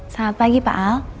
selamat pagi pak al